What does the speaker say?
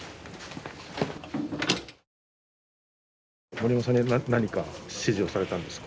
モリヤマさんには何か指示をされたんですか？